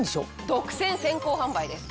独占先行販売です。